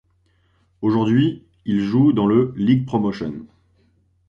Aujourd'hui, il joue dans le League Promotion.